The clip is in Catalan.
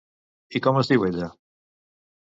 I com es diu ella?